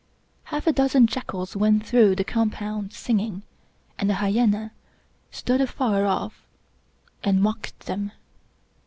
Half a dozen jackals went through the compound singing, and a hyena stood afar off and mocked them.